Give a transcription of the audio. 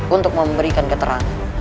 untuk memberikan keterangan